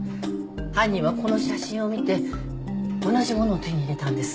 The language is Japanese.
犯人はこの写真を見て同じものを手に入れたんです。